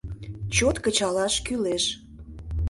Чот кычалаш кӱлеш.